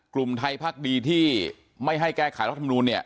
กลุ่มไทยพักดีที่ไม่ให้แก้ไขรัฐมนูลเนี่ย